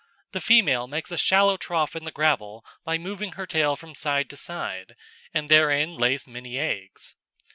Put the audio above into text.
The female makes a shallow trough in the gravel by moving her tail from side to side, and therein lays many eggs.